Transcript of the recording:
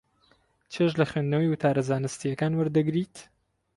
چێژ لە خوێندنەوەی وتارە زانستییەکان وەردەگرێت.